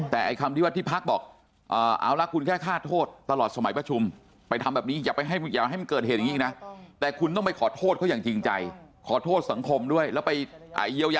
แต่อย่างนี้ขอโทษอย่างนี้มันจริงใจหรือไม่จริงใจอย่างนี้